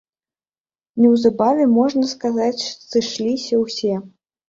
Неўзабаве, можна сказаць, сышліся ўсе.